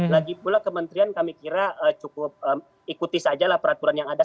lagi pula kementerian kami kira cukup ikuti sajalah peraturan yang ada